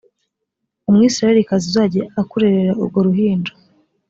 umwisirayelikazi uzajya akurerera urwo ruhinja